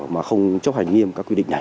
mà không chấp hành nghiêm các quy định này